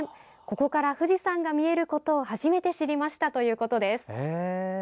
ここから富士山が見えることを初めて知りました」ということです。